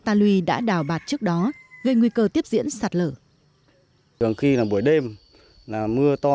ta lui đã đào bạt trước đó gây nguy cơ tiếp diễn sạt lở